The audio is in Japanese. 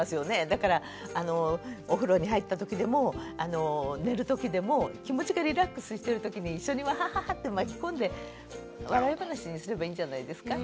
だからお風呂に入ったときでも寝るときでも気持ちがリラックスしてるときに一緒にワハハハッて巻き込んで笑い話にすればいいんじゃないですか。